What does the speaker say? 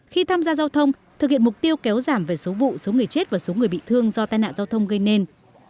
khi tham gia giao thông thực hiện mục tiêu kéo giảm về số vụ số người chết và số người bị thương do tai nạn giao thông gây nên